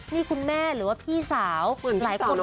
นี่คุณแม่หรือว่าพี่สาวเหมือนพี่สาวหละ